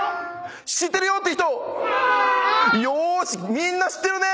みんな知ってるね。